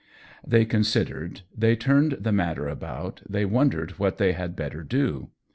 They considered, they turned the matter about, they wondered what they had better do.